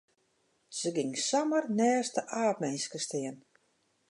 Se gyng samar neist de aapminske stean.